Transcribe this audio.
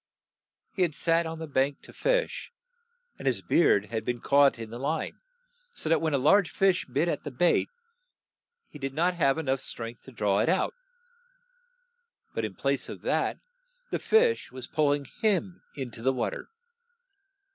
He had sat on the bank to fish, and his beard had been caught in the line, so that when a large fish bit at the bait, he had not strength to draw it out, but in place of that the fish was pull ing him in to the water.